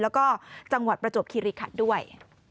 แล้วก็จังหวัดประจวบคิริขันด้วย